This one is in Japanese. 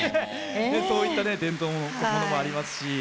そういった伝統のものもありますし